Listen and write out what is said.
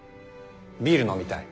ビール飲みたい。